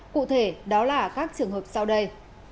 cụ thể đó là các trường hợp sau đây